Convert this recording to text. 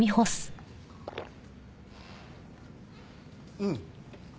うん。